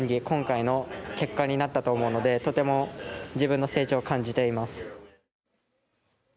今回の結果になったと思うのでとても自分の成長を感じています。